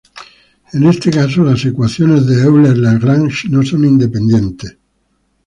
En este caso, las ecuaciones de Euler–Lagrange no son independientes.